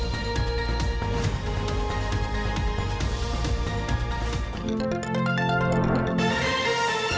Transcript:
โปรดติดตามต่อไป